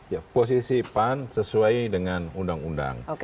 ya posisi pan sesuai dengan undang undang